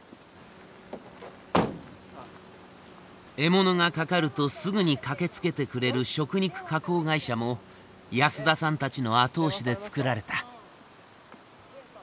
獲物が掛かるとすぐに駆けつけてくれる食肉加工会社も安田さんたちの後押しで作られた。